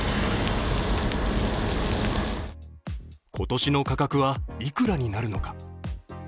今年の価格はいくらになるのか。